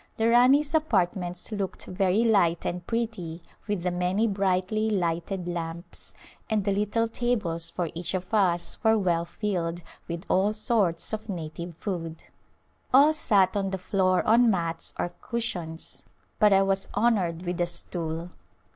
The Rani's apartments looked very light and pretty with the many brightly lighted lamps, and the little tables for each of us were well filled with all sorts of native food. All sat on the floor on mats or cushions but I was honored with a stool.